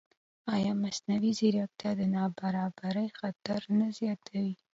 ایا مصنوعي ځیرکتیا د نابرابرۍ خطر نه زیاتوي؟